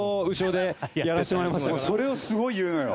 それをすごい言うのよ。